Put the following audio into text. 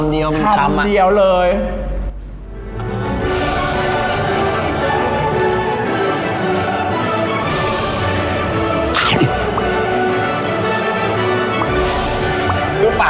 อร่อยเชียบแน่นอนครับอร่อยเชียบแน่นอนครับ